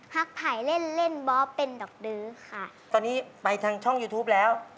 ไผ่เล่นเล่นบ๊อบเป็นดอกดื้อค่ะตอนนี้ไปทางช่องยูทูปแล้ว